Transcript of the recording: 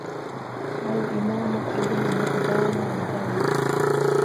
އަލްއިމާމު އިބްނުޤުދާމާ ވިދާޅުވި